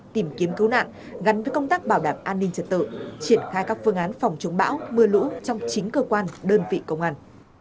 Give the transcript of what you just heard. tìm kiếm cứu nạn gắn với công tác bảo đảm an ninh trật tự triển khai các phương án phòng chống bão mưa lũ trong chính cơ quan đơn vị công an